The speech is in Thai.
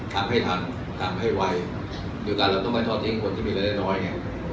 เหมือนกันเราต้องไปทอดทิ้งคนที่มีรายละยะน้อยไง